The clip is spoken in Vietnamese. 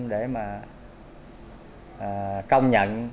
để mà công nhận